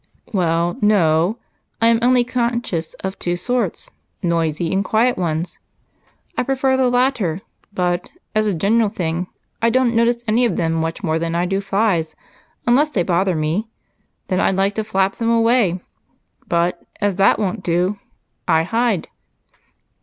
"Well, no, I am only conscious of two sorts noisy and quiet ones. I prefer the latter, but, as a general thing, I don't notice any of them much more than I do flies, unless they bother me, then I'd like to flap them away, but as that won't do, I hide."